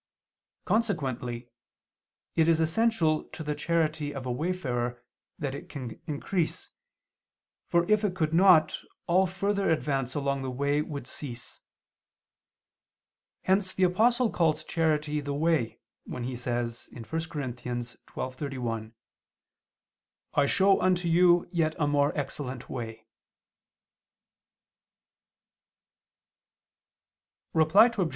Consequently it is essential to the charity of a wayfarer that it can increase, for if it could not, all further advance along the way would cease. Hence the Apostle calls charity the way, when he says (1 Cor. 12:31): "I show unto you yet a more excellent way." Reply Obj.